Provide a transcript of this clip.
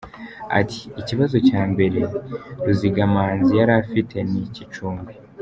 Ati “Ikibazo cya mbere Ruzigamanzi yari afite ni icy’icumbi.